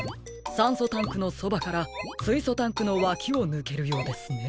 さんそタンクのそばからすいそタンクのわきをぬけるようですね。